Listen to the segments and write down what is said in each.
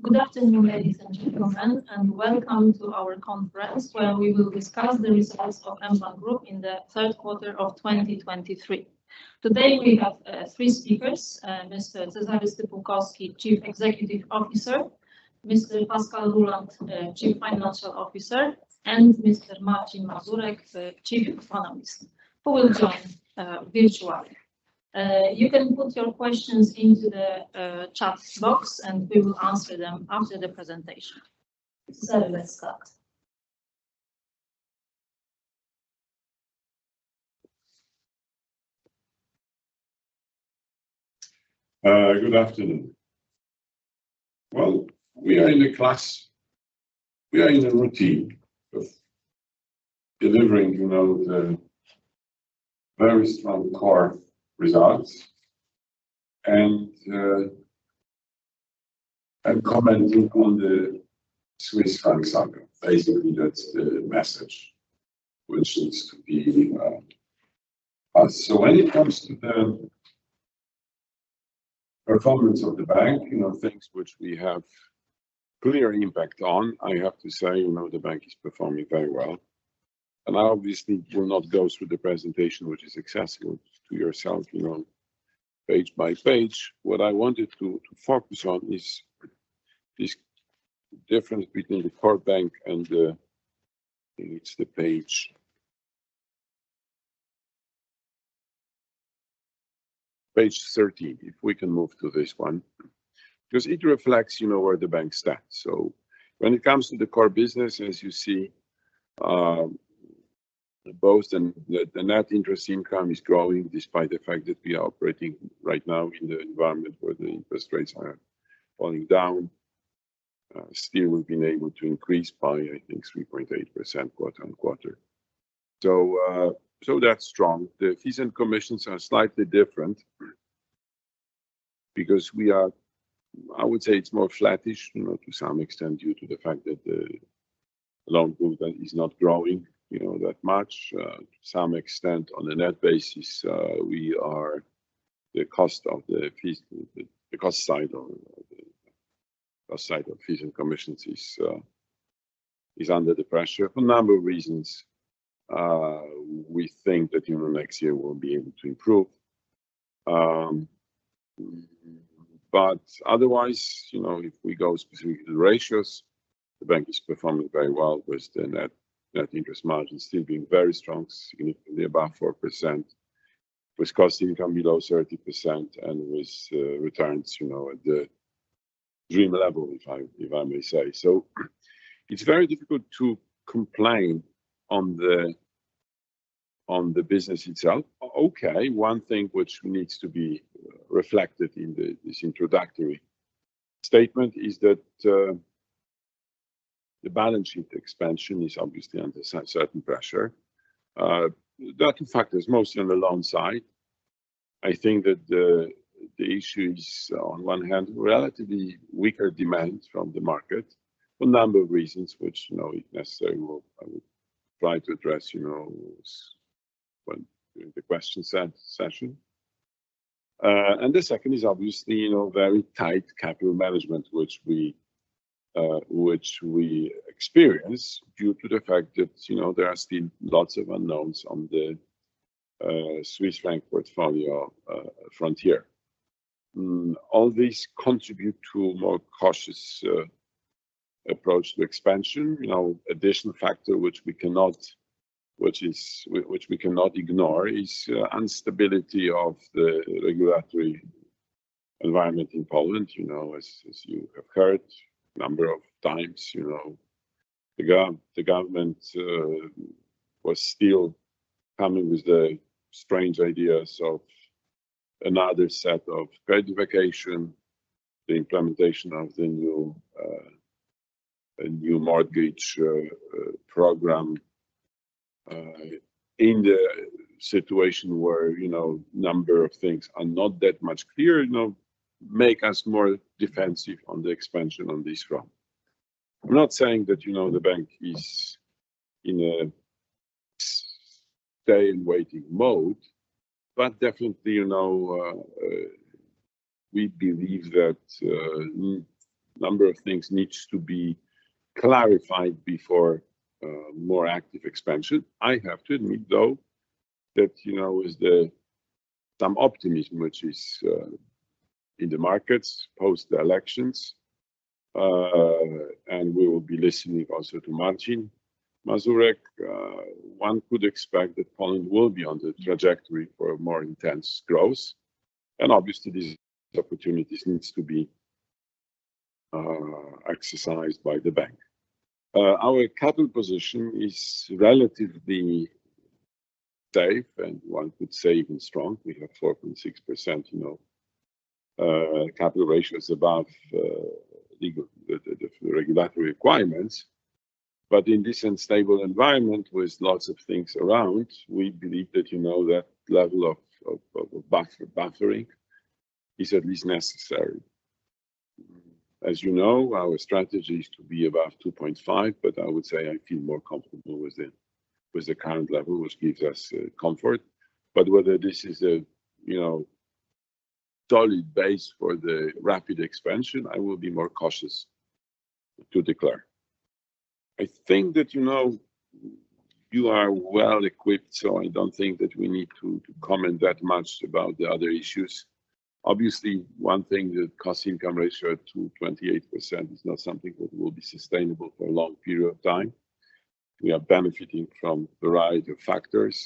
Good afternoon, ladies and gentlemen, and welcome to our conference, where we will discuss the results of mBank Group in the third quarter of 2023. Today, we have three speakers, Mr. Cezary Stypułkowski, Chief Executive Officer; Mr. Pascal Ruhland, Chief Financial Officer; and Mr. Marcin Mazurek, the Chief Economist, who will join virtually. You can put your questions into the chat box, and we will answer them after the presentation. Let's start. Good afternoon. Well, we are in a routine of delivering, you know, the very strong core results and, and commenting on the Swiss franc saga. Basically, that's the message, which needs to be us. So when it comes to the performance of the bank, you know, things which we have clear impact on, I have to say, you know, the bank is performing very well. And I obviously will not go through the presentation, which is accessible to yourself, you know, page by page. What I wanted to focus on is this difference between the core bank and the... I think it's the page 13, if we can move to this one, 'cause it reflects, you know, where the bank stands. When it comes to the core business, as you see, both the net interest income is growing, despite the fact that we are operating right now in the environment where the interest rates are falling down. Still, we've been able to increase by, I think, 3.8% quarter-on-quarter. So that's strong. The fees and commissions are slightly different because we are, I would say it's more flattish, you know, to some extent due to the fact that the loan book is not growing, you know, that much. To some extent, on a net basis, we are the cost of the fees, the cost side of fees and commissions is under the pressure for a number of reasons. We think that, you know, next year we'll be able to improve. But otherwise, you know, if we go specifically to the ratios, the bank is performing very well with the net interest margin still being very strong, significantly above 4%, with cost income below 30% and with returns, you know, at the dream level, if I may say so. It's very difficult to complain on the business itself. Okay, one thing which needs to be reflected in this introductory statement is that the balance sheet expansion is obviously under certain pressure. That, in fact, is mostly on the loan side. I think that the issue is, on one hand, relatively weaker demand from the market for a number of reasons, which, you know, necessarily will, I will try to address, you know, when the question session. And the second is obviously, you know, very tight capital management, which we experience due to the fact that, you know, there are still lots of unknowns on the Swiss franc portfolio, frontier. All these contribute to a more cautious approach to expansion. You know, additional factor, which we cannot ignore, is instability of the regulatory environment in Poland. You know, as you have heard number of times, you know, the government was still coming with the strange ideas of another set of credit vacation, the implementation of the new, a new mortgage program. In the situation where, you know, number of things are not that much clear, you know, make us more defensive on the expansion on this front. I'm not saying that, you know, the bank is in a stay in waiting mode, but definitely, you know, we believe that, number of things needs to be clarified before, more active expansion. I have to admit, though, that, you know, with the some optimism, which is, in the markets post the elections, and we will be listening also to Marcin Mazurek, one could expect that Poland will be on the trajectory for a more intense growth. And obviously, these opportunities needs to be, exercised by the bank. Our capital position is relatively safe, and one could say even strong. We have 4.6%, you know, capital ratio is above legal, the, the regulatory requirements. But in this unstable environment, with lots of things around, we believe that, you know, that level of buffer is at least necessary. As you know, our strategy is to be above 2.5, but I would say I feel more comfortable with it with the current level, which gives us comfort. But whether this is a, you know, solid base for the rapid expansion, I will be more cautious to declare. I think that, you know, you are well-equipped, so I don't think that we need to comment that much about the other issues. Obviously, one thing, the cost-income ratio to 28% is not something that will be sustainable for a long period of time. We are benefiting from a variety of factors.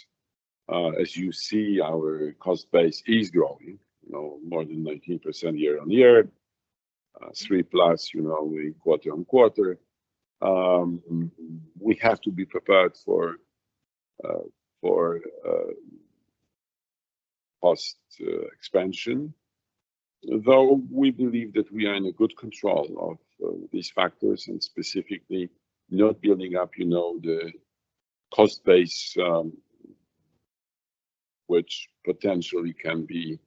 As you see, our cost base is growing, you know, more than 19% year-on-year. 3+, you know, we quarter-on-quarter. We have to be prepared for cost expansion, though we believe that we are in good control of these factors, and specifically not building up, you know, the cost base, which potentially can be,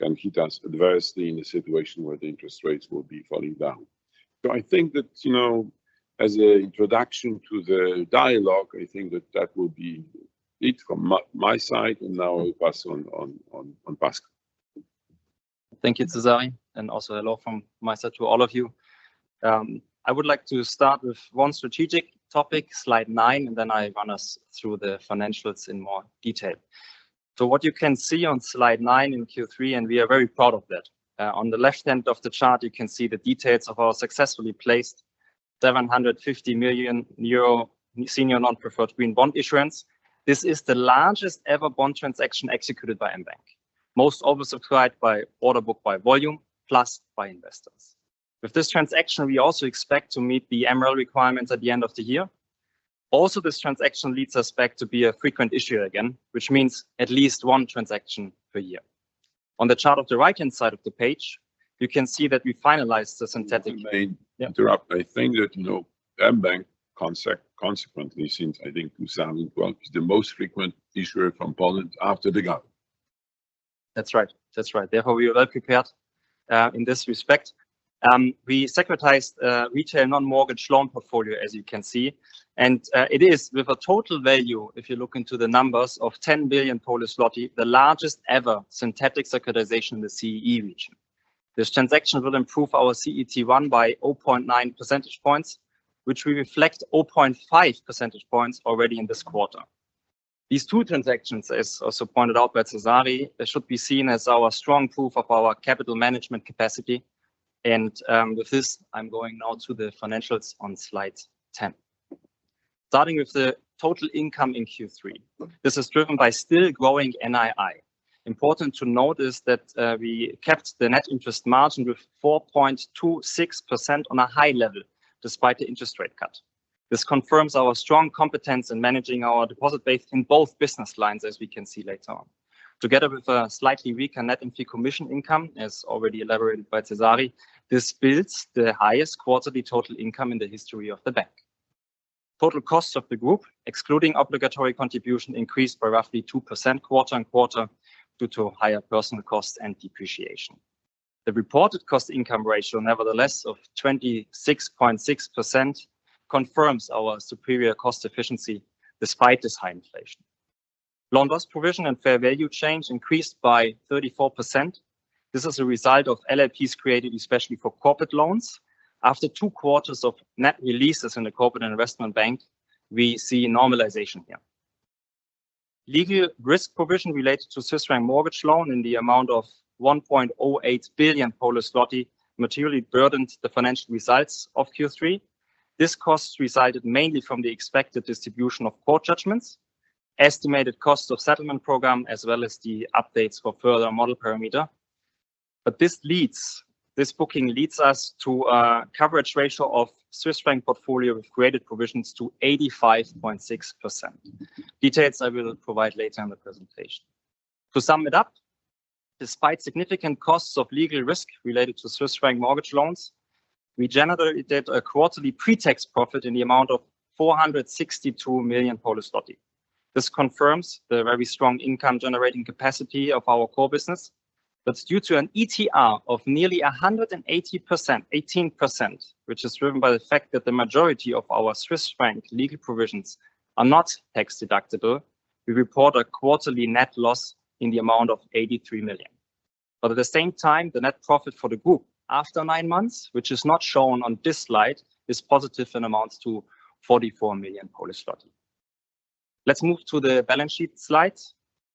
can hit us adversely in a situation where the interest rates will be falling down. So I think that, you know, as an introduction to the dialogue, I think that that will be it from my side, and now I pass on to Pascal. Thank you, Cezary, and also hello from myself to all of you. I would like to start with one strategic topic, slide nine, and then I run us through the financials in more detail. So what you can see on slide nine in Q3, and we are very proud of that. On the left hand of the chart, you can see the details of our successfully placed 750 million euro Senior Non-Preferred Green Bond issuance. This is the largest ever bond transaction executed by mBank, most oversubscribed by order book, by volume, plus by investors. With this transaction, we also expect to meet the MREL requirements at the end of the year. Also, this transaction leads us back to be a frequent issuer again, which means at least one transaction per year. On the chart on the right-hand side of the page, you can see that we finalized the synthetic- Let me interrupt. Yeah. I think that, you know, mBank consequently seems, I think, well, the most frequent issuer from Poland after the government. That's right. That's right. Therefore, we are well-prepared in this respect. We securitized retail non-mortgage loan portfolio, as you can see, and it is with a total value, if you look into the numbers, of 10 billion, the largest ever synthetic securitization in the CEE region. This transaction will improve our CET1 by 0.9 percentage points, which we reflect 0.5 percentage points already in this quarter. These two transactions, as also pointed out by Cezary, they should be seen as our strong proof of our capital management capacity. With this, I'm going now to the financials on slide 10. Starting with the total income in Q3, this is driven by still growing NII. Important to note is that we kept the net interest margin with 4.26% on a high level, despite the interest rate cut. This confirms our strong competence in managing our deposit base in both business lines, as we can see later on. Together with a slightly weaker net fee and commission income, as already elaborated by Cezary, this builds the highest quarterly total income in the history of the bank. Total costs of the group, excluding obligatory contribution, increased by roughly 2% quarter-on-quarter due to higher personal costs and depreciation. The reported cost-income ratio, nevertheless, of 26.6%, confirms our superior cost efficiency despite this high inflation. Loan loss provision and fair value change increased by 34%. This is a result of LLPs created especially for corporate loans. After two quarters of net releases in the corporate and investment bank, we see normalization here. Legal risk provision related to Swiss franc mortgage loan in the amount of 1.08 billion materially burdened the financial results of Q3. This cost resided mainly from the expected distribution of court judgments, estimated costs of settlement program, as well as the updates for further model parameter. But this leads, this booking leads us to a coverage ratio of Swiss franc portfolio with created provisions to 85.6%. Details I will provide later in the presentation. To sum it up, despite significant costs of legal risk related to Swiss franc mortgage loans, we generated a quarterly pre-tax profit in the amount of 462 million. This confirms the very strong income-generating capacity of our core business. But due to an ETR of nearly 180%, 18%, which is driven by the fact that the majority of our Swiss franc legal provisions are not tax-deductible, we report a quarterly net loss in the amount of 83 million. But at the same time, the net profit for the group after nine months, which is not shown on this slide, is positive and amounts to 44 million. Let's move to the balance sheet slide.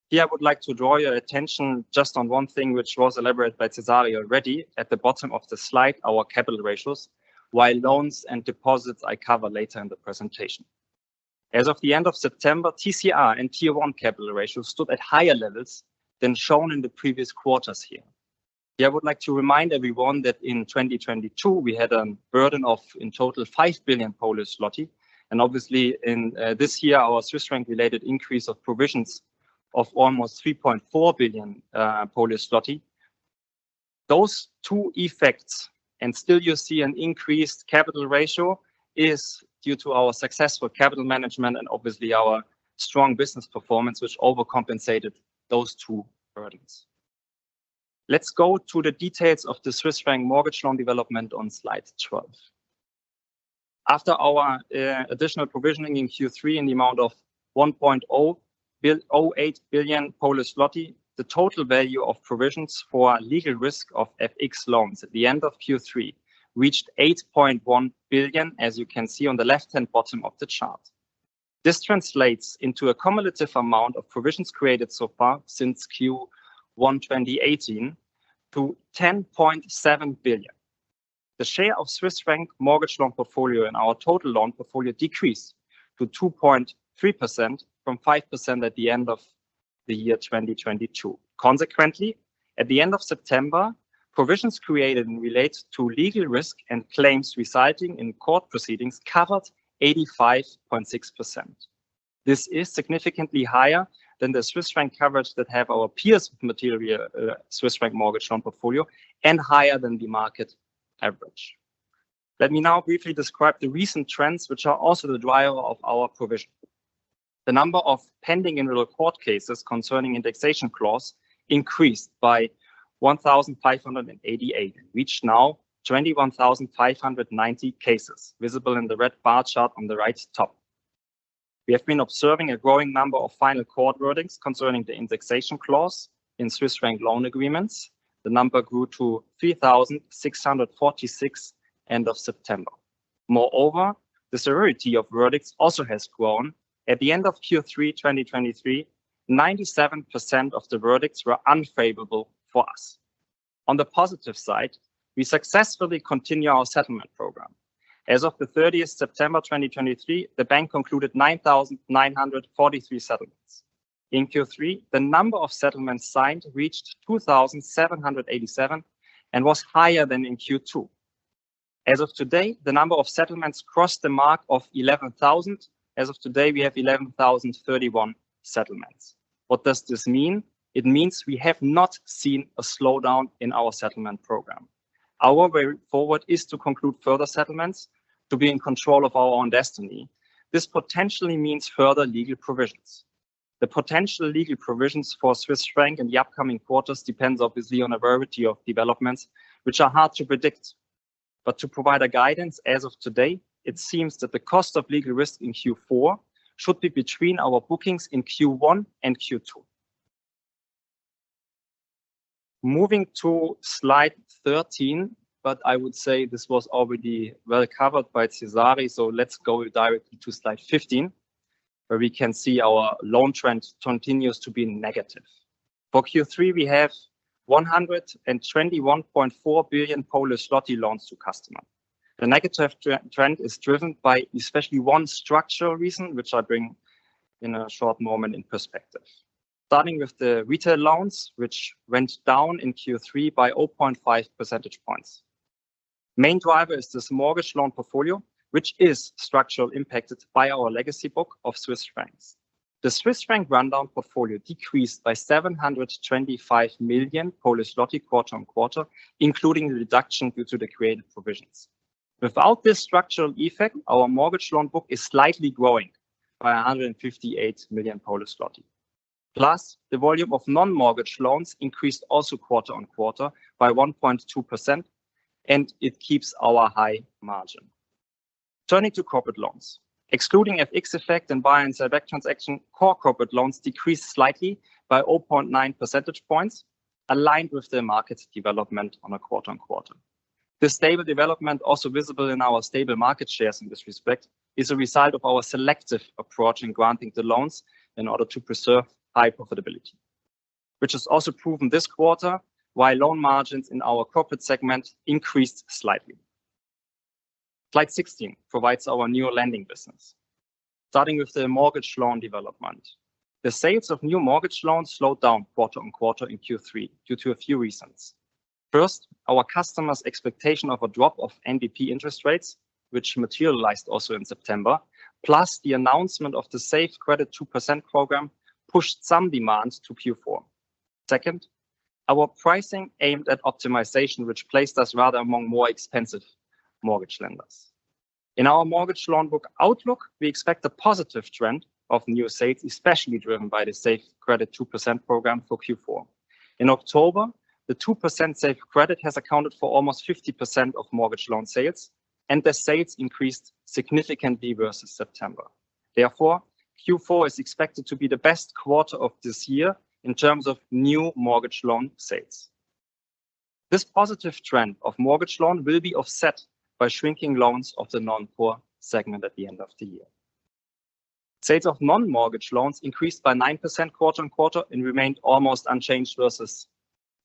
Here, I would like to draw your attention just on one thing, which was elaborated by Cezary already. At the bottom of the slide, our capital ratios, while loans and deposits I cover later in the presentation. As of the end of September, TCR and Tier 1 capital ratios stood at higher levels than shown in the previous quarters here. Here, I would like to remind everyone that in 2022, we had a burden of, in total, 5 billion. And obviously in this year, our Swiss franc related increase of provisions of almost 3.4 billion Polish zloty. Those two effects, and still you see an increased capital ratio, is due to our successful capital management and obviously our strong business performance, which overcompensated those two burdens. Let's go to the details of the Swiss franc mortgage loan development on slide 12. After our additional provisioning in Q3 in the amount of 1.08 billion, the total value of provisions for legal risk of FX loans at the end of Q3 reached 8.1 billion, as you can see on the left-hand bottom of the chart. This translates into a cumulative amount of provisions created so far since Q1 2018 to 10.7 billion. The share of Swiss franc mortgage loan portfolio in our total loan portfolio decreased to 2.3% from 5% at the end of 2022. Consequently, at the end of September, provisions created in relation to legal risk and claims residing in court proceedings covered 85.6%. This is significantly higher than the Swiss franc coverage that have our peers with material Swiss franc mortgage loan portfolio and higher than the market average. Let me now briefly describe the recent trends, which are also the driver of our provision. The number of pending and real court cases concerning indexation clause increased by 1,588, and reached now 21,590 cases, visible in the red bar chart on the right top. We have been observing a growing number of final court verdicts concerning the indexation clause in Swiss franc loan agreements. The number grew to 3,646 end of September. Moreover, the severity of verdicts also has grown. At the end of Q3 2023, 97% of the verdicts were unfavorable for us. On the positive side, we successfully continue our settlement program. As of 30th September 2023, the bank concluded 9,943 settlements. In Q3, the number of settlements signed reached 2,787 and was higher than in Q2. As of today, the number of settlements crossed the mark of 11,000. As of today, we have 11,031 settlements. What does this mean? It means we have not seen a slowdown in our settlement program. Our way forward is to conclude further settlements to be in control of our own destiny. This potentially means further legal provisions. The potential legal provisions for Swiss franc in the upcoming quarters depends obviously on a variety of developments, which are hard to predict. But to provide a guidance, as of today, it seems that the cost of legal risk in Q4 should be between our bookings in Q1 and Q2. Moving to slide 13, but I would say this was already well covered by Cezary, so let's go directly to slide 15, where we can see our loan trend continues to be negative. For Q3, we have 121.4 billion loans to customer. The negative trend is driven by especially one structural reason, which I bring in a short moment in perspective. Starting with the retail loans, which went down in Q3 by 0.5 percentage points. Main driver is this mortgage loan portfolio, which is structurally impacted by our legacy book of Swiss francs. The Swiss franc rundown portfolio decreased by 725 million quarter-on-quarter, including the reduction due to the created provisions. Without this structural effect, our mortgage loan book is slightly growing by 158 million Polish zloty. Plus, the volume of non-mortgage loans increased also quarter-on-quarter by 1.2%, and it keeps our high margin. Turning to corporate loans, excluding FX effect and buy and sell back transaction, core corporate loans decreased slightly by 0.9 percentage points, aligned with the market development on a quarter-on-quarter. The stable development, also visible in our stable market shares in this respect, is a result of our selective approach in granting the loans in order to preserve high profitability, which is also proven this quarter, while loan margins in our corporate segment increased slightly. Slide 16 provides our new lending business, starting with the mortgage loan development. The sales of new mortgage loans slowed down quarter-on-quarter in Q3 due to a few reasons. First, our customers' expectation of a drop of NBP interest rates, which materialized also in September, plus the announcement of the Safe Credit 2% program, pushed some demands to Q4. Second, our pricing aimed at optimization, which placed us rather among more expensive mortgage lenders. In our mortgage loan book outlook, we expect a positive trend of new sales, especially driven by the Safe Credit 2% program for Q4. In October, the 2% Safe Credit has accounted for almost 50% of mortgage loan sales, and the sales increased significantly versus September. Therefore, Q4 is expected to be the best quarter of this year in terms of new mortgage loan sales. This positive trend of mortgage loan will be offset by shrinking loans of the non-core segment at the end of the year. Sales of non-mortgage loans increased by 9% quarter-on-quarter and remained almost unchanged versus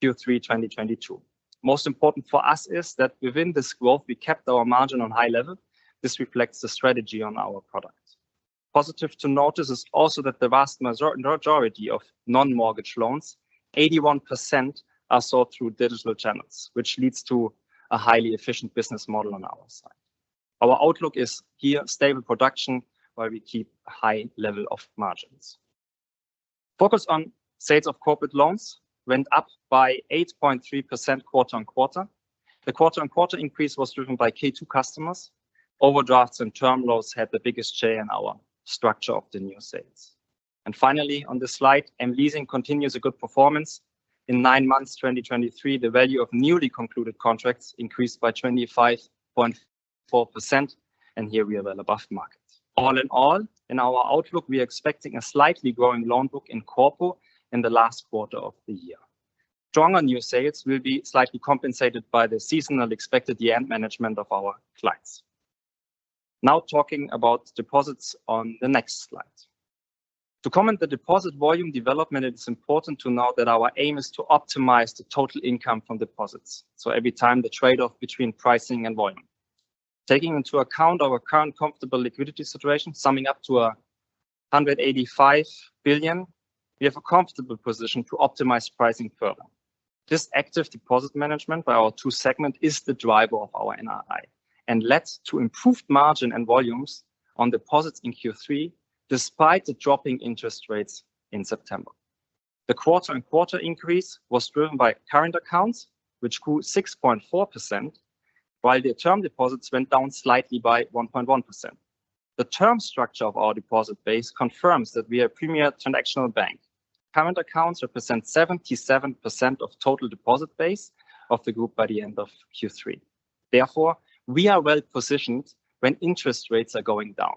Q3 2022. Most important for us is that within this growth, we kept our margin on high level. This reflects the strategy on our products. Positive to notice is also that the vast majority of non-mortgage loans, 81%, are sold through digital channels, which leads to a highly efficient business model on our side. Our outlook is here, stable production, where we keep a high level of margins. Focus on sales of corporate loans went up by 8.3% quarter-on-quarter. The quarter-on-quarter increase was driven by K2 customers. Overdrafts and term loans had the biggest share in our structure of the new sales. And finally, on this slide, mLeasing continues a good performance. In nine months, 2023, the value of newly concluded contracts increased by 25.4%, and here we have above market. All in all, in our outlook, we are expecting a slightly growing loan book in corporate in the last quarter of the year. Stronger new sales will be slightly compensated by the seasonal expected year-end management of our clients. Now, talking about deposits on the next slide. To comment the deposit volume development, it is important to note that our aim is to optimize the total income from deposits, so every time the trade-off between pricing and volume. Taking into account our current comfortable liquidity situation, summing up to 185 billion, we have a comfortable position to optimize pricing further. This active deposit management by our two segment is the driver of our NII, and led to improved margin and volumes on deposits in Q3, despite the dropping interest rates in September. The quarter-on-quarter increase was driven by current accounts, which grew 6.4%, while the term deposits went down slightly by 1.1%. The term structure of our deposit base confirms that we are a premier transactional bank. Current accounts represent 77% of total deposit base of the group by the end of Q3. Therefore, we are well positioned when interest rates are going down.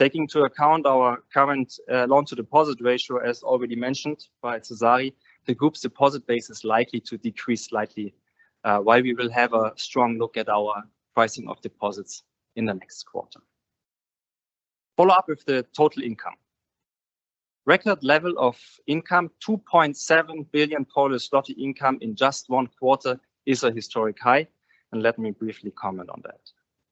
Taking into account our current loan to deposit ratio, as already mentioned by Cezary, the group's deposit base is likely to decrease slightly while we will have a strong look at our pricing of deposits in the next quarter. Follow up with the total income. Record level of income, 2.7 billion income in just one quarter is a historic high, and let me briefly comment on that.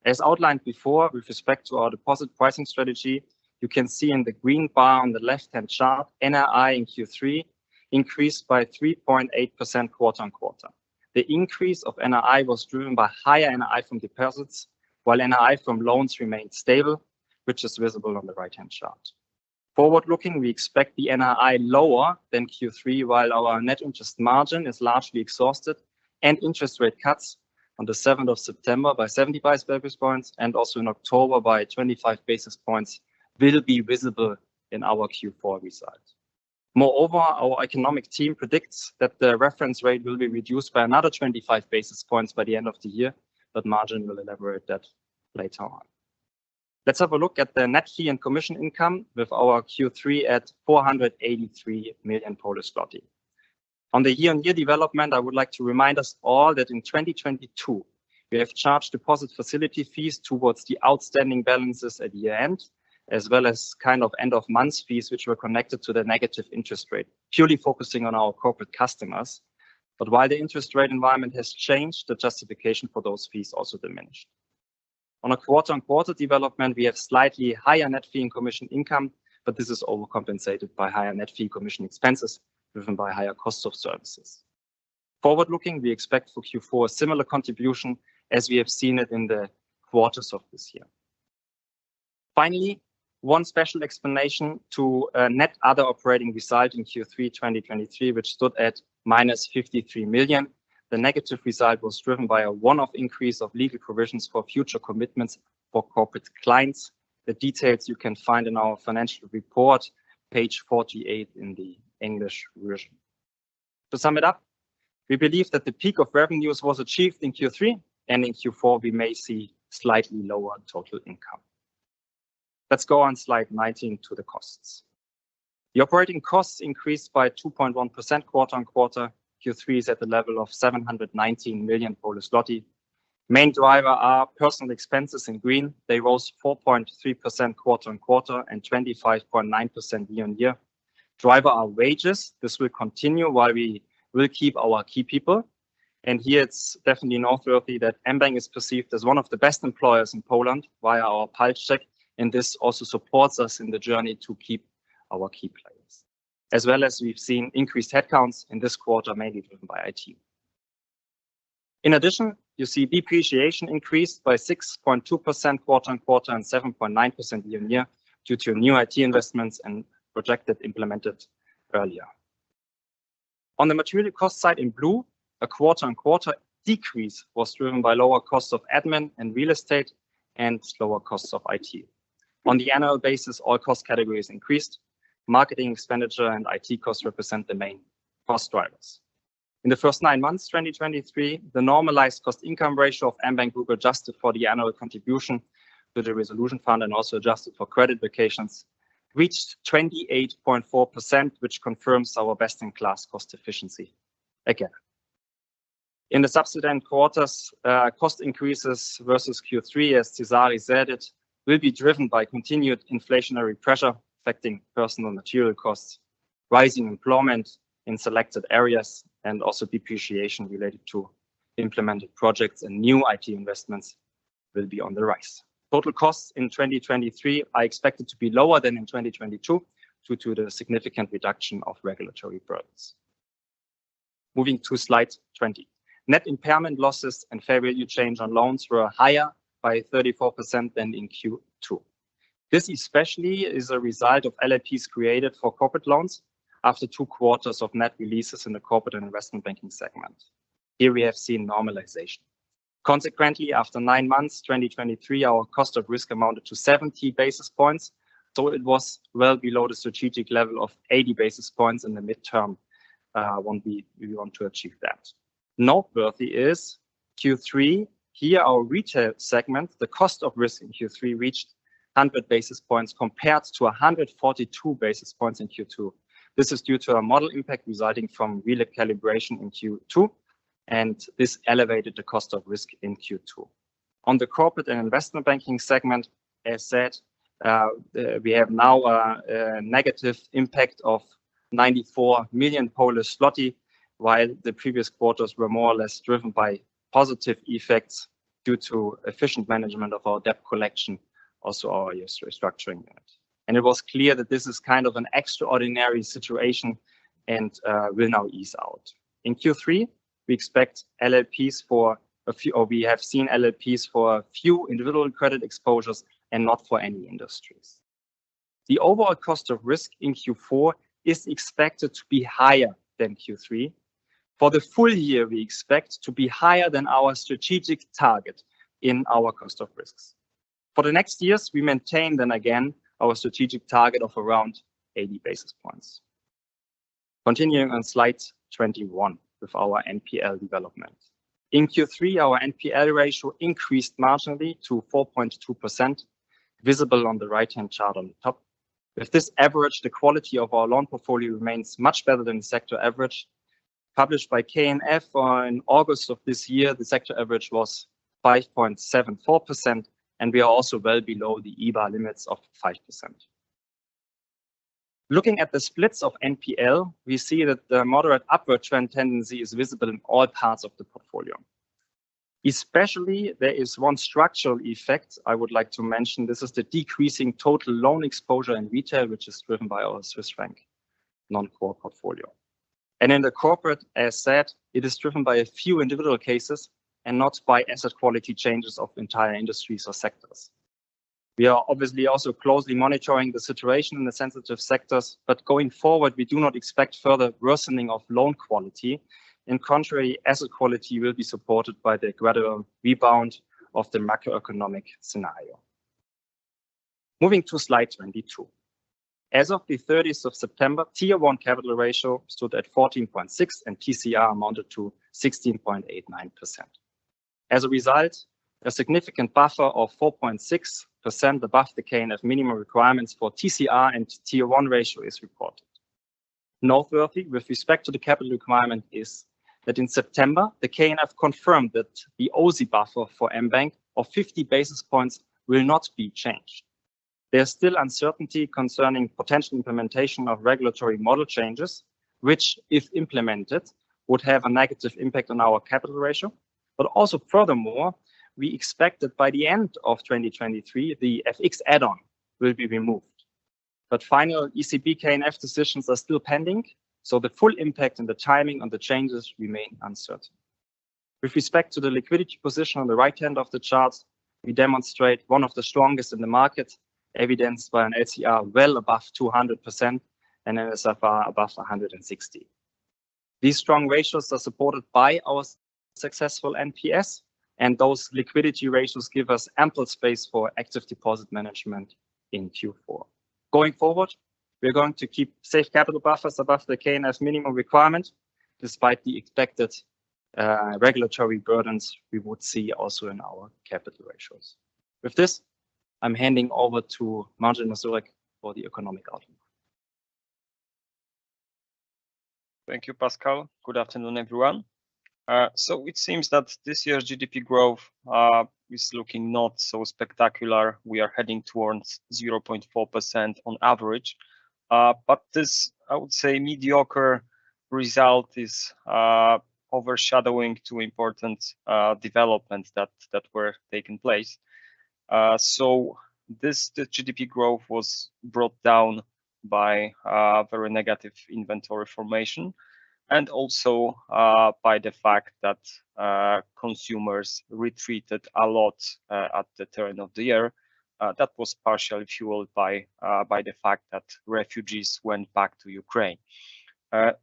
As outlined before, with respect to our deposit pricing strategy, you can see in the green bar on the left-hand chart, NII in Q3 increased by 3.8% quarter-on-quarter. The increase of NII was driven by higher NII from deposits, while NII from loans remained stable, which is visible on the right-hand chart. Forward-looking, we expect the NII lower than Q3, while our net interest margin is largely exhausted and interest rate cuts on the 7th of September by 75 basis points, and also in October by 25 basis points, will be visible in our Q4 results. Moreover, our economic team predicts that the reference rate will be reduced by another 25 basis points by the end of the year, but Marcin will elaborate that later on. Let's have a look at the net fee and commission income with our Q3 at 483 million Polish zloty. On the year-on-year development, I would like to remind us all that in 2022, we have charged deposit facility fees towards the outstanding balances at the end, as well as kind of end of month fees, which were connected to the negative interest rate, purely focusing on our corporate customers. But while the interest rate environment has changed, the justification for those fees also diminished. On a quarter-on-quarter development, we have slightly higher net fee and commission income, but this is overcompensated by higher net fee and commission expenses, driven by higher costs of services. Forward-looking, we expect for Q4 a similar contribution as we have seen it in the quarters of this year. Finally, one special explanation to net other operating result in Q3, 2023, which stood at -53 million. The negative result was driven by a one-off increase of legal provisions for future commitments for corporate clients. The details you can find in our financial report, page 48 in the English version. To sum it up, we believe that the peak of revenues was achieved in Q3, and in Q4 we may see slightly lower total income. Let's go on slide 19 to the costs. The operating costs increased by 2.1% quarter-over-quarter. Q3 is at the level of 719 million. Main driver are personal expenses in green. They rose 4.3% quarter-over-quarter and 25.9% year-over-year. Driver are wages. This will continue while we will keep our key people, and here it's definitely noteworthy that mBank is perceived as one of the best employers in Poland via our paycheck, and this also supports us in the journey to keep our key players. As well as we've seen increased headcounts in this quarter, mainly driven by IT. In addition, you see depreciation increased by 6.2% quarter-on-quarter, and 7.9% year-on-year, due to new IT investments and projects that implemented earlier. On the material cost side in blue, a quarter-on-quarter decrease was driven by lower costs of admin and real estate, and lower costs of IT. On the annual basis, all cost categories increased. Marketing expenditure and IT costs represent the main cost drivers. In the first nine months, 2023, the normalized cost income ratio of mBank Group, adjusted for the annual contribution to the resolution fund and also adjusted for credit vacations, reached 28.4%, which confirms our best in class cost efficiency again. In the subsequent quarters, cost increases versus Q3, as Cezary said, it will be driven by continued inflationary pressure affecting personal material costs, rising employment in selected areas, and also depreciation related to implemented projects and new IT investments will be on the rise. Total costs in 2023 are expected to be lower than in 2022, due to the significant reduction of regulatory burdens. Moving to slide 20. Net impairment losses and fair value change on loans were higher by 34% than in Q2. This especially is a result of LLPs created for corporate loans after two quarters of net releases in the corporate and investment banking segment. Here we have seen normalization. Consequently, after nine months, 2023, our cost of risk amounted to 70 basis points, so it was well below the strategic level of 80 basis points in the midterm, when we, we want to achieve that. Noteworthy is Q3, here our retail segment, the cost of risk in Q3 reached 100 basis points compared to 142 basis points in Q2. This is due to a model impact resulting from re-calibration in Q2, and this elevated the cost of risk in Q2. On the corporate and investment banking segment, as said, we have now a negative impact of 94 million Polish zloty, while the previous quarters were more or less driven by positive effects due to efficient management of our debt collection, also our restructuring unit. It was clear that this is kind of an extraordinary situation, and will now ease out. In Q3, we expect LLPs for a few, or we have seen LLPs for a few individual credit exposures and not for any industries. The overall cost of risk in Q4 is expected to be higher than Q3. For the full year, we expect to be higher than our strategic target in our cost of risks. For the next years, we maintain then again our strategic target of around 80 basis points. Continuing on slide 21, with our NPL development. In Q3, our NPL ratio increased marginally to 4.2%, visible on the right-hand chart on the top. With this average, the quality of our loan portfolio remains much better than the sector average, published by KNF in August of this year. The sector average was 5.74%, and we are also well below the EBA limits of 5%. Looking at the splits of NPL, we see that the moderate upward trend tendency is visible in all parts of the portfolio. Especially, there is one structural effect I would like to mention. This is the decreasing total loan exposure in retail, which is driven by our Swiss franc non-core portfolio. In the corporate, as said, it is driven by a few individual cases and not by asset quality changes of entire industries or sectors. We are obviously also closely monitoring the situation in the sensitive sectors, but going forward, we do not expect further worsening of loan quality. On the contrary, asset quality will be supported by the gradual rebound of the macroeconomic scenario. Moving to slide 22. As of the 30th of September, Tier 1 capital ratio stood at 14.6, and TCR amounted to 16.89%. As a result, a significant buffer of 4.6% above the KNF minimum requirements for TCR and Tier 1 ratio is reported. Noteworthy, with respect to the capital requirement, is that in September, the KNF confirmed that the O-SII buffer for mBank of 50 basis points will not be changed. There's still uncertainty concerning potential implementation of regulatory model changes, which, if implemented, would have a negative impact on our capital ratio. But also furthermore, we expect that by the end of 2023, the FX add-on will be removed. But final ECB KNF decisions are still pending, so the full impact and the timing on the changes remain uncertain. With respect to the liquidity position on the right hand of the chart, we demonstrate one of the strongest in the market, evidenced by an LCR well above 200% and NSFR above 160. These strong ratios are supported by our successful NPS, and those liquidity ratios give us ample space for active deposit management in Q4. Going forward, we are going to keep safe capital buffers above the KNF's minimum requirement, despite the expected, regulatory burdens we would see also in our capital ratios. With this, I'm handing over to Marcin Mazurek for the economic outlook. Thank you, Pascal. Good afternoon, everyone. So it seems that this year's GDP growth is looking not so spectacular. We are heading towards 0.4% on average. But this, I would say, mediocre result is overshadowing two important developments that were taking place. So this, the GDP growth was brought down by very negative inventory formation, and also by the fact that consumers retreated a lot at the turn of the year. That was partially fueled by the fact that refugees went back to Ukraine.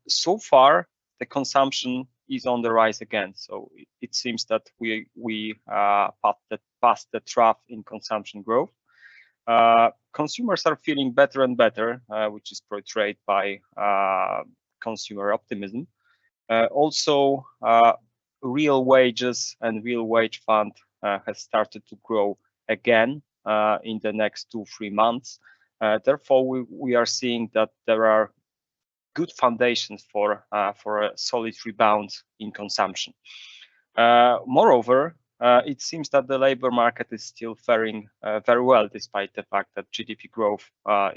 So far, the consumption is on the rise again, so it seems that we passed the trough in consumption growth. Consumers are feeling better and better, which is portrayed by consumer optimism. Also, real wages and real wage fund has started to grow again in the next 2-3 months. Therefore, we are seeing that there are good foundations for a solid rebound in consumption. Moreover, it seems that the labor market is still faring very well, despite the fact that GDP growth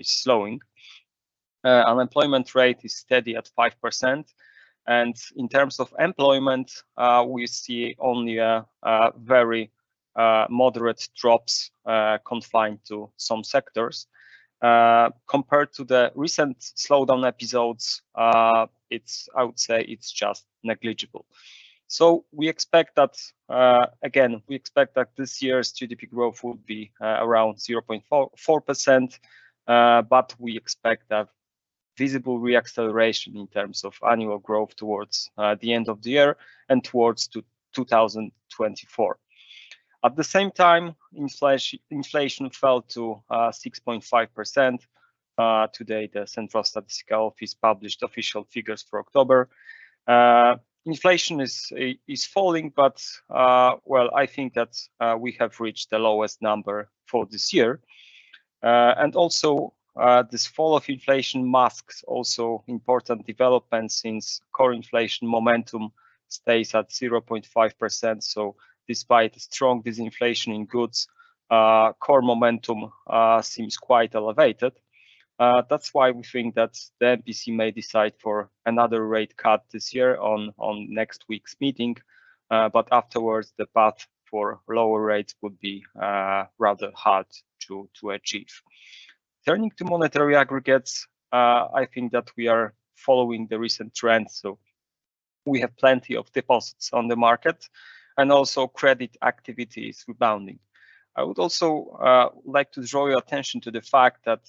is slowing. Unemployment rate is steady at 5%, and in terms of employment, we see only a very moderate drops confined to some sectors. Compared to the recent slowdown episodes, it's. I would say it's just negligible. So we expect that, again, we expect that this year's GDP growth will be around 0.4%-4%. But we expect that-... Visible reacceleration in terms of annual growth towards the end of the year and towards to 2024. At the same time, inflation fell to 6.5%. Today, the Central Statistical Office published official figures for October. Inflation is falling, but well, I think that we have reached the lowest number for this year. And also, this fall of inflation masks also important developments since core inflation momentum stays at 0.5%. So despite strong disinflation in goods, core momentum seems quite elevated. That's why we think that the NBP may decide for another rate cut this year on next week's meeting. But afterwards, the path for lower rates would be rather hard to achieve. Turning to monetary aggregates, I think that we are following the recent trends, so we have plenty of deposits on the market, and also credit activity is rebounding. I would also like to draw your attention to the fact that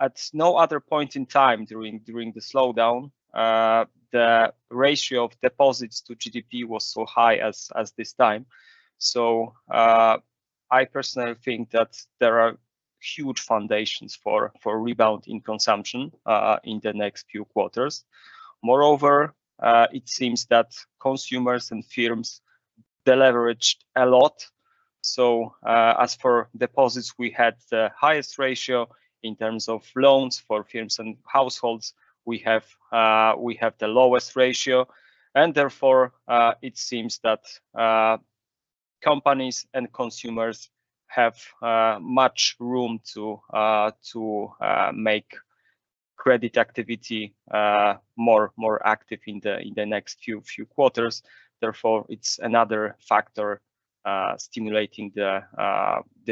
at no other point in time during the slowdown the ratio of deposits to GDP was so high as this time. So, I personally think that there are huge foundations for a rebound in consumption in the next few quarters. Moreover, it seems that consumers and firms deleveraged a lot. So, as for deposits, we had the highest ratio in terms of loans for firms and households. We have the lowest ratio, and therefore, it seems that companies and consumers have much room to make credit activity more active in the next few quarters. Therefore, it's another factor stimulating the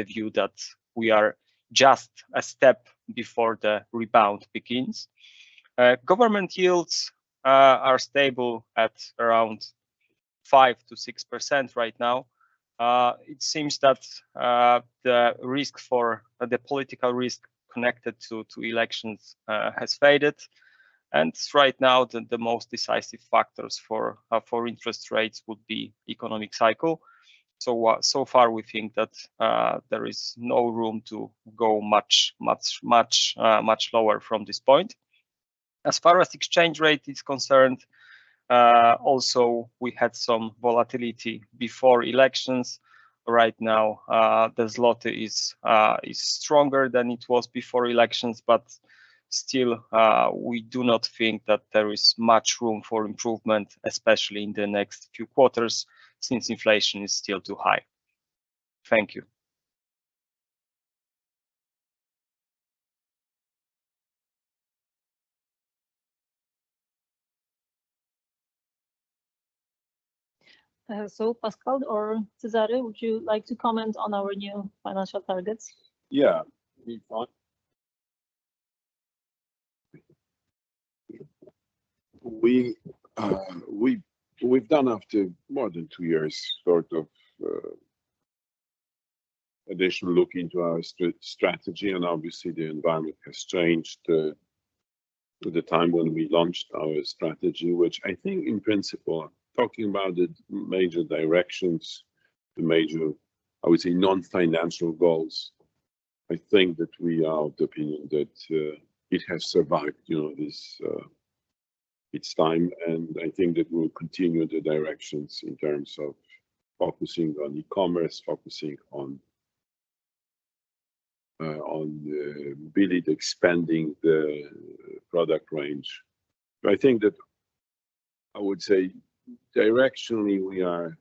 view that we are just a step before the rebound begins. Government yields are stable at around 5%-6% right now. It seems that the risk for the political risk connected to elections has faded, and right now, the most decisive factors for interest rates would be economic cycle. So far, we think that there is no room to go much lower from this point. As far as exchange rate is concerned, also, we had some volatility before elections. Right now, the złoty is stronger than it was before elections, but still, we do not think that there is much room for improvement, especially in the next few quarters, since inflation is still too high. Thank you. Pascal or Cezary, would you like to comment on our new financial targets? Yeah, we thought. We, we, we've done after more than two years, sort of, additional look into our strategy, and obviously the environment has changed, to the time when we launched our strategy, which I think in principle, talking about the major directions, the major, I would say, non-financial goals, I think that we are of the opinion that, it has survived, you know, this, its time, and I think that we'll continue the directions in terms of focusing on e-commerce, focusing on, really expanding the product range. But I think that I would say directionally, we are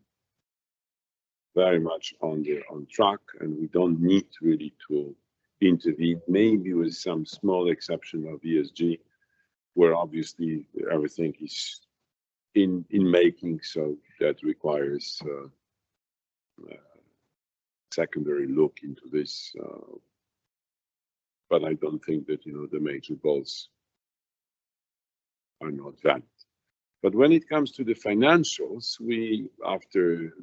very much on track, and we don't need really to intervene, maybe with some small exception of ESG, where obviously everything is in making, so that requires a secondary look into this, but I don't think that, you know, the major goals are not that. But when it comes to the financials, we, after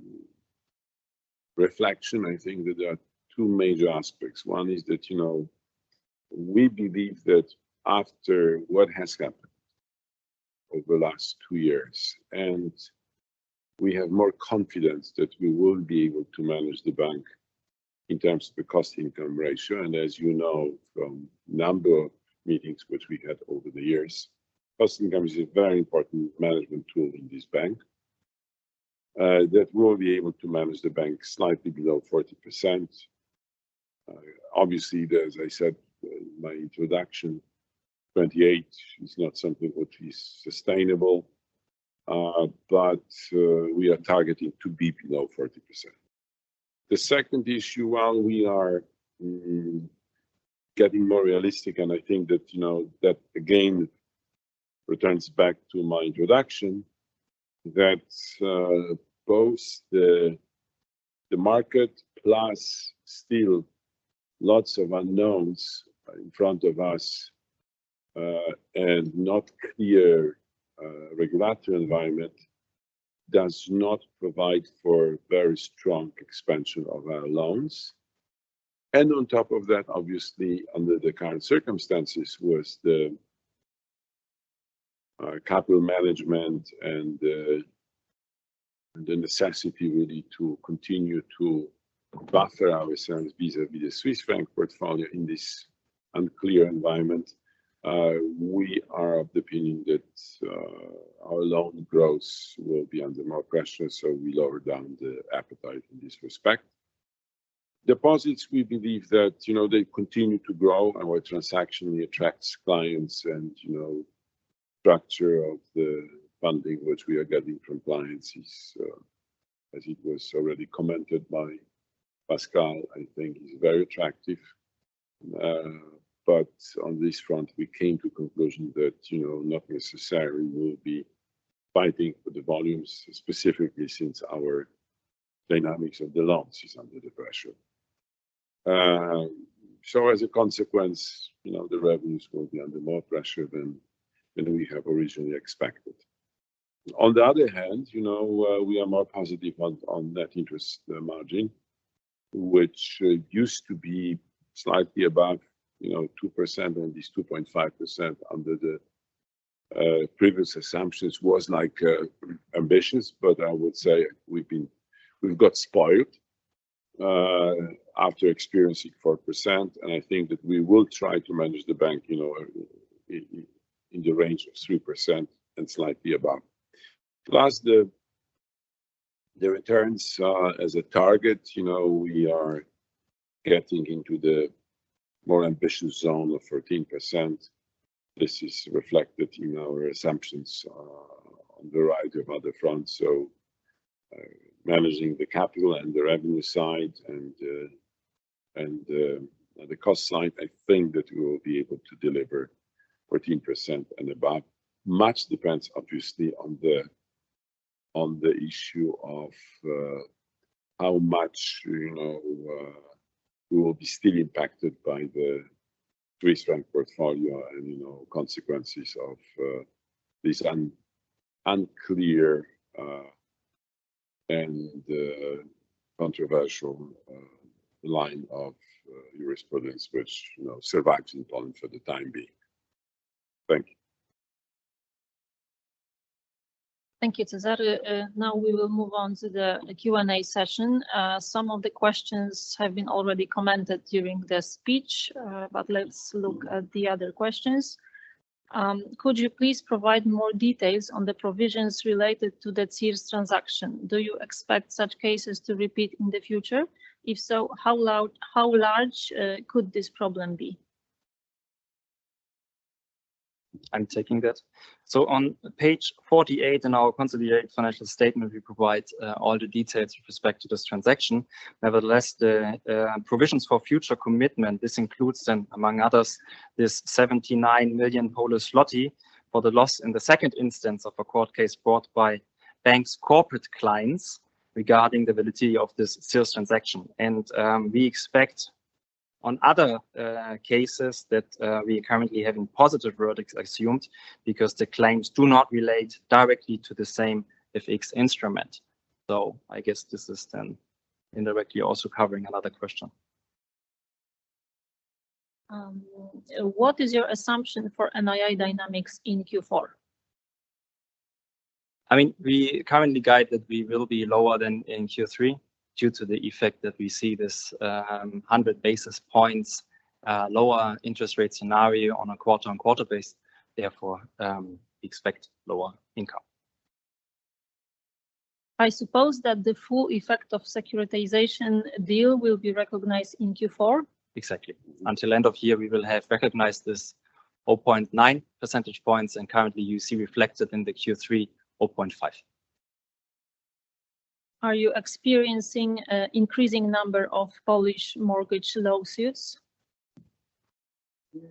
reflection, I think that there are two major aspects. One is that, you know, we believe that after what has happened over the last two years, and we have more confidence that we will be able to manage the bank in terms of the cost-income ratio, and as you know from number of meetings which we had over the years, cost-income is a very important management tool in this bank, that we'll be able to manage the bank slightly below 40%. Obviously, as I said in my introduction, 28 is not something which is sustainable, but we are targeting to be below 40%. The second issue, while we are getting more realistic, and I think that, you know, that again, returns back to my introduction, that both the market plus still lots of unknowns in front of us, and not clear regulatory environment-... does not provide for very strong expansion of our loans. And on top of that, obviously, under the current circumstances, with the capital management and, and the necessity really to continue to buffer ourselves vis-a-vis the Swiss franc portfolio in this unclear environment, we are of the opinion that, our loan growth will be under more pressure, so we lower down the appetite in this respect. Deposits, we believe that, you know, they continue to grow, and our transactionally attracts clients and, you know, structure of the funding, which we are getting from clients, is, as it was already commented by Pascal, I think is very attractive. But on this front, we came to conclusion that, you know, not necessarily we'll be fighting for the volumes, specifically since our dynamics of the loans is under the pressure. So as a consequence, you know, the revenues will be under more pressure than we have originally expected. On the other hand, you know, we are more positive on net interest margin, which used to be slightly above, you know, 2%. And this 2.5% under the previous assumptions was, like, ambitious, but I would say we've got spoiled after experiencing 4%, and I think that we will try to manage the bank, you know, in the range of 3% and slightly above. Plus, the returns as a target, you know, we are getting into the more ambitious zone of 13%. This is reflected in our assumptions on the variety of other fronts. So, managing the capital and the revenue side and the cost side, I think that we will be able to deliver 14% and above. Much depends, obviously, on the issue of how much, you know, we will be still impacted by the Swiss franc portfolio and, you know, consequences of this unclear and controversial line of jurisprudence, which, you know, survives in Poland for the time being. Thank you. Thank you, Cezary. Now we will move on to the Q&A session. Some of the questions have been already commented during the speech, but let's look at the other questions. Could you please provide more details on the provisions related to the CIRS transaction? Do you expect such cases to repeat in the future? If so, how large could this problem be? I'm taking that. So on page 48 in our consolidated financial statement, we provide all the details with respect to this transaction. Nevertheless, the provisions for future commitment, this includes then, among others, this 79 million for the loss in the second instance of a court case brought by bank's corporate clients regarding the validity of this sales transaction. And we expect on other cases that we currently having positive verdicts assumed because the claims do not relate directly to the same FX instrument. So I guess this is then indirectly also covering another question. What is your assumption for NII dynamics in Q4? I mean, we currently guide that we will be lower than in Q3, due to the effect that we see this 100 basis points lower interest rate scenario on a quarter-on-quarter basis, therefore, expect lower income. I suppose that the full effect of securitization deal will be recognized in Q4? Exactly. Until end of year, we will have recognized this 4.9 percentage points, and currently you see reflected in the Q3, 4.5. Are you experiencing an increasing number of Polish mortgage lawsuits?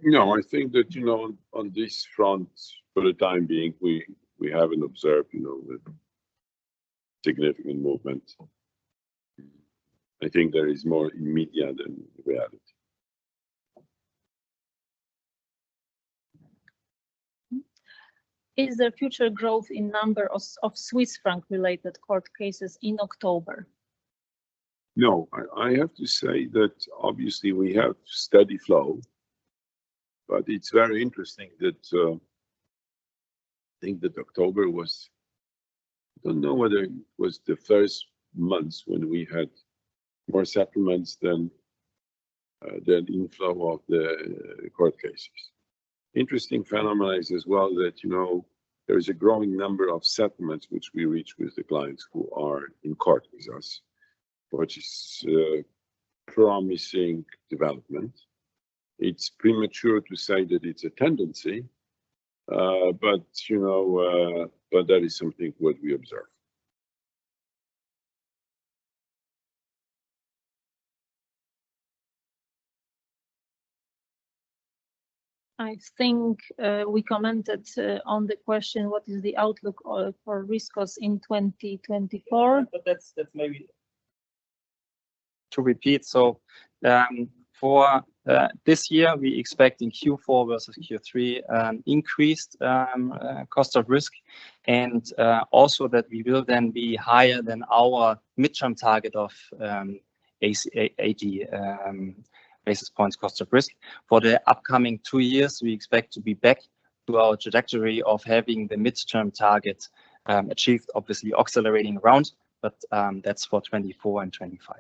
No, I think that, you know, on this front, for the time being, we haven't observed, you know, a significant movement. I think there is more in media than in reality. Is there future growth in number of Swiss franc-related court cases in October? No, I have to say that obviously we have steady flow, but it's very interesting that I think that October was... I don't know whether it was the first month when we had more settlements than than inflow of the court cases. Interesting phenomena is as well that, you know, there is a growing number of settlements which we reach with the clients who are in court with us, which is a promising development. It's premature to say that it's a tendency, but, you know, but that is something what we observe. I think we commented on the question, what is the outlook for risk cost in 2024? But that's maybe to repeat. So, for this year, we expect in Q4 versus Q3, an increased cost of risk, and also that we will then be higher than our midterm target of 80 basis points cost of risk. For the upcoming two years, we expect to be back to our trajectory of having the midterm target achieved, obviously accelerating around, but that's for 2024 and 2025.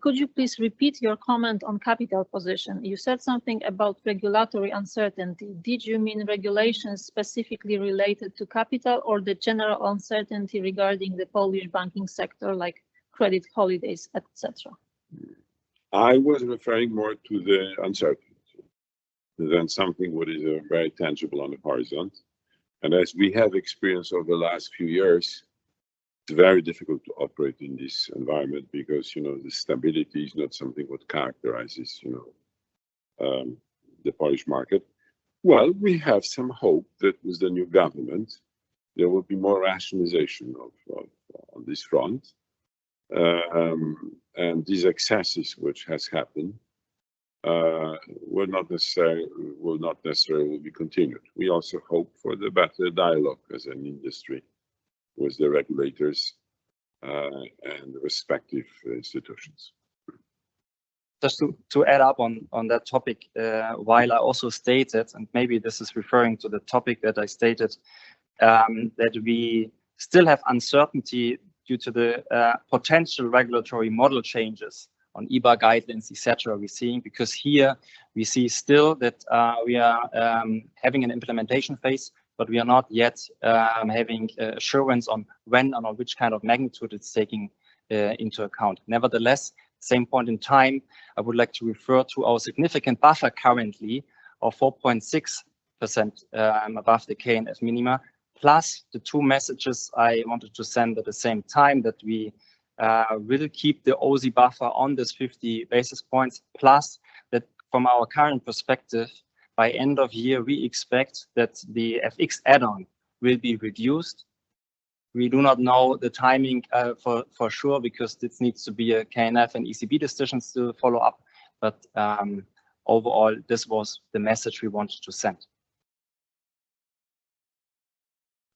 Could you please repeat your comment on capital position? You said something about regulatory uncertainty. Did you mean regulations specifically related to capital or the general uncertainty regarding the Polish banking sector, like credit holidays, et cetera? I was referring more to the uncertainty than something what is very tangible on the horizon. And as we have experienced over the last few years, it's very difficult to operate in this environment because, you know, the stability is not something what characterizes, you know, the Polish market. Well, we have some hope that with the new government, there will be more rationalization of on this front. And these excesses, which has happened, will not necessarily be continued. We also hope for the better dialogue as an industry with the regulators and respective institutions. Just to add up on that topic, while I also stated, and maybe this is referring to the topic that I stated, that we still have uncertainty due to the potential regulatory model changes on EBA guidelines, et cetera, we're seeing. Because here we see still that we are having an implementation phase, but we are not yet having assurance on when or which kind of magnitude it's taking into account. Nevertheless, same point in time, I would like to refer to our significant buffer currently of 4.6% above the KNF minima, plus the two messages I wanted to send at the same time, that we will keep the OZ buffer on this 50 basis points, plus that from our current perspective, by end of year, we expect that the FX add-on will be reduced. We do not know the timing for sure, because this needs to be a KNF and ECB decisions to follow up, but overall, this was the message we wanted to send.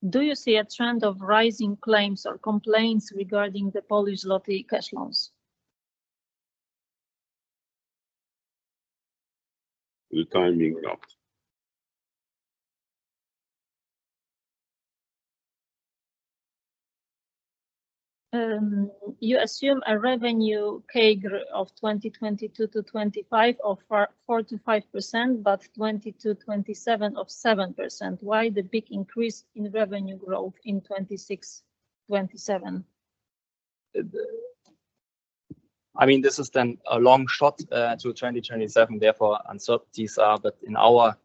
Do you see a trend of rising claims or complaints regarding the Polish złoty cash loans? We're timing out. You assume a revenue CAGR of 2022-2025 of 4%-5%, but 2020-2027 of 7%. Why the big increase in revenue growth in 2026, 2027? I mean, this is then a long shot to 2027, therefore, uncertainties are, but in our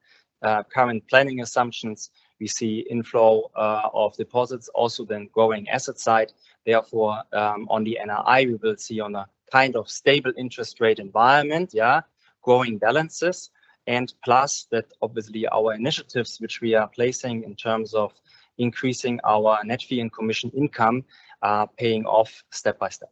current planning assumptions, we see inflow of deposits also then growing asset side. Therefore, on the NII, we will see on a kind of stable interest rate environment, yeah, growing balances, and plus that obviously, our initiatives, which we are placing in terms of increasing our net fee and commission income, are paying off step by step.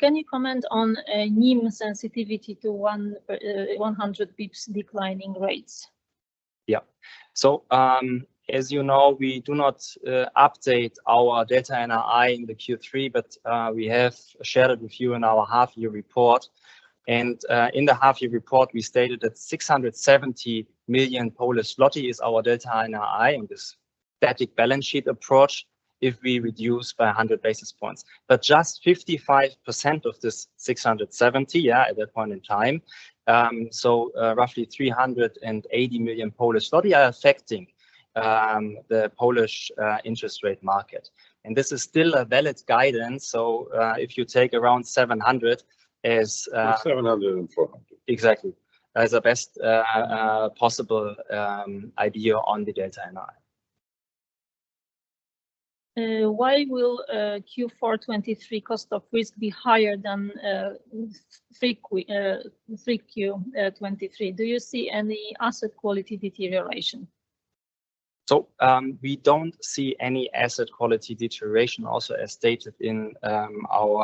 Can you comment on NIM sensitivity to 100 basis points declining rates? Yeah. So, as you know, we do not update our Delta NII in the Q3, but we have shared it with you in our half-year report. In the half-year report, we stated that 670 million is our Delta NII in this static balance sheet approach, if we reduce by 100 basis points. But just 55% of this 670, yeah, at that point in time, so roughly 380 million Polish zloty are affecting the Polish interest rate market. This is still a valid guidance, so if you take around 700 as- 740. Exactly. That is the best possible idea on the Delta NII. Why will Q4 2023 cost of risk be higher than 3Q 2023? Do you see any asset quality deterioration? We don't see any asset quality deterioration, also, as stated in our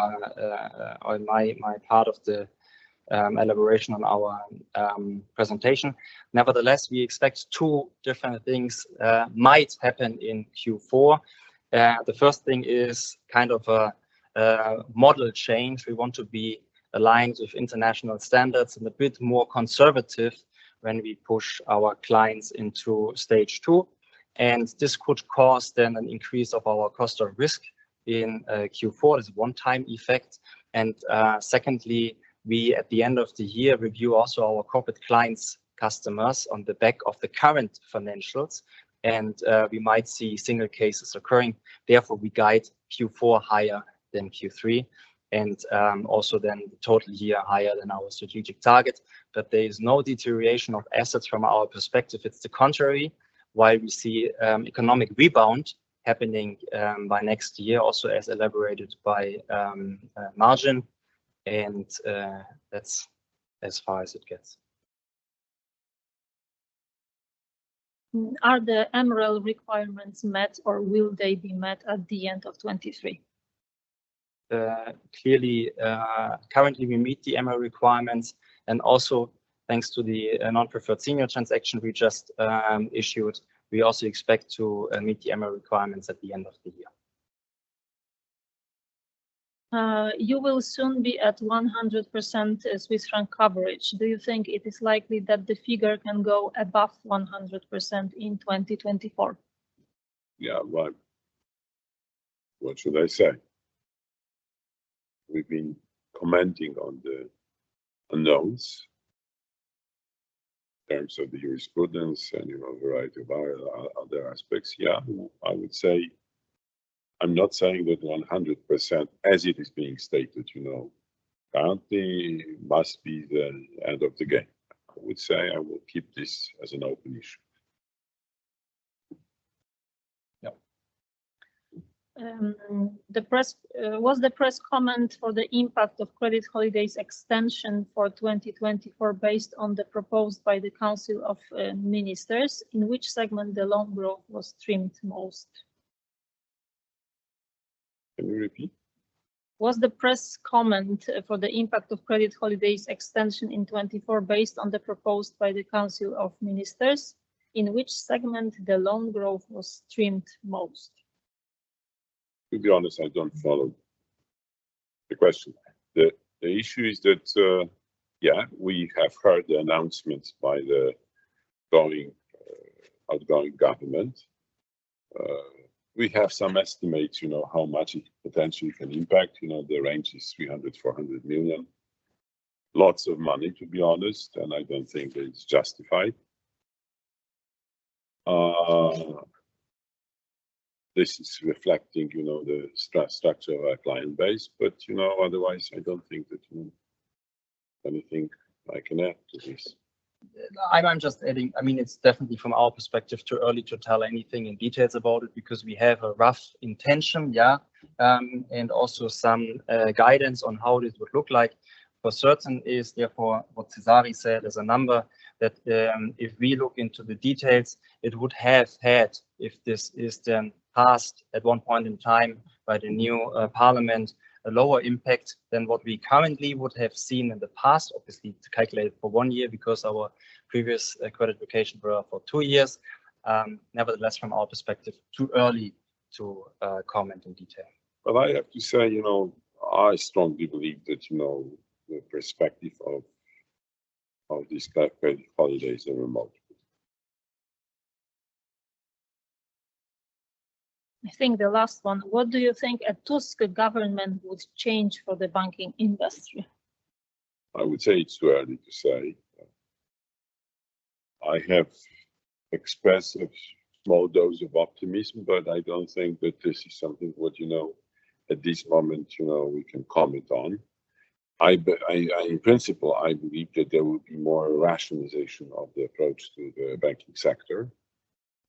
or my part of the elaboration on our presentation. Nevertheless, we expect two different things might happen in Q4. The first thing is kind of a model change. We want to be aligned with international standards and a bit more conservative when we push our clients into Stage two, and this could cause then an increase of our cost of risk in Q4 as a one-time effect. Secondly, we at the end of the year review also our corporate clients, customers, on the back of the current financials, and we might see single cases occurring. Therefore, we guide Q4 higher than Q3, and also then the total year higher than our strategic target. But there is no deterioration of assets from our perspective. It's the contrary, why we see economic rebound happening by next year, also as elaborated by Marcin, and that's as far as it gets.... Are the MREL requirements met, or will they be met at the end of 2023? Clearly, currently we meet the MREL requirements, and also thanks to the non-preferred senior transaction we just issued, we also expect to meet the MREL requirements at the end of the year. You will soon be at 100% Swiss franc coverage. Do you think it is likely that the figure can go above 100% in 2024? Yeah. Well, what should I say? We've been commenting on the unknowns in terms of the jurisprudence and, you know, a variety of other aspects. Yeah, I would say... I'm not saying that 100%, as it is being stated, you know, currently must be the end of the game. I would say I will keep this as an open issue. Yeah. Was the press comment for the impact of credit holidays extension for 2024 based on the proposed by the Council of Ministers, in which segment the loan growth was trimmed most? Can you repeat? Was the press comment for the impact of credit holidays extension in 2024, based on the proposed by the Council of Ministers, in which segment the loan growth was trimmed most? To be honest, I don't follow the question. The issue is that we have heard the announcements by the outgoing government. We have some estimates, you know, how much it potentially can impact, you know, the range is 300-400 million. Lots of money, to be honest, and I don't think it's justified. This is reflecting, you know, the structure of our client base, but, you know, otherwise, I don't think that anything I can add to this. I'm just adding, I mean, it's definitely, from our perspective, too early to tell anything in details about it, because we have a rough intention, yeah. And also some guidance on how this would look like. For certain is, therefore, what Cezary said, there's a number that, if we look into the details, it would have had, if this is then passed at one point in time by the new parliament, a lower impact than what we currently would have seen in the past. Obviously, it's calculated for one year because our previous credit vacation were for two years. Nevertheless, from our perspective, too early to comment in detail. But I have to say, you know, I strongly believe that, you know, the perspective of these credit holidays are remarkable. I think the last one: What do you think a Tusk government would change for the banking industry? I would say it's too early to say. I have expressive small dose of optimism, but I don't think that this is something what, you know, at this moment, you know, we can comment on. In principle, I believe that there will be more rationalization of the approach to the banking sector.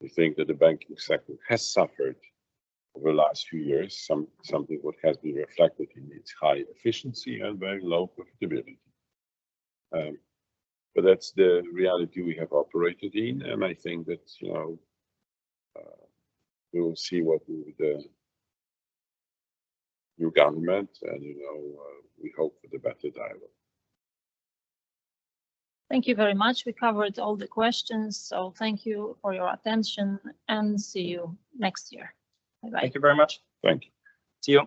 I think that the banking sector has suffered over the last few years, something what has been reflected in its high efficiency and very low profitability. But that's the reality we have operated in, and I think that, you know, we will see what will the new government, and, you know, we hope for the better dialogue. Thank you very much. We covered all the questions, so thank you for your attention, and see you next year. Bye-bye. Thank you very much. Thank you. See you.